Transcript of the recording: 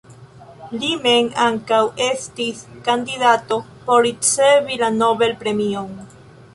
Li mem ankaŭ estis kandidato por ricevi la Nobel-premion.